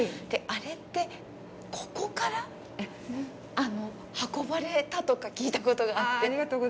あれって、ここから運ばれたとか聞いたことがあって。